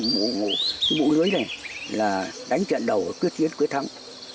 cái mũ lưới này là đánh trận đầu quyết chiến quyết thắng